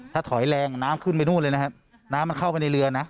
ถ้าถอยแรงน้ำขึ้นไปนู่นเลยนะครับน้ำมันเข้าไปในเรือนะ